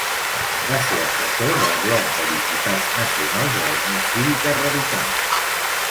Va ser assessor del bloc de diputats nacionals de la Unión Cívica Radical.